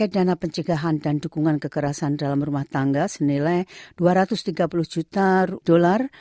dan dukungan kekerasan dalam rumah tangga senilai dua ratus tiga puluh juta dolar